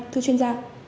thưa chuyên gia